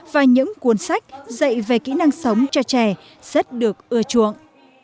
và những cuốn sách dạy về kỹ năng sống cho trẻ rất được ưa chuộng